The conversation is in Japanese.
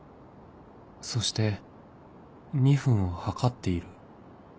そして２分を計っている